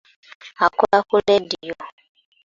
Akola ku leediyo.